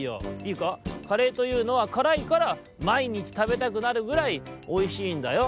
いいかカレーというのはからいからまいにちたべたくなるぐらいおいしいんだよ」。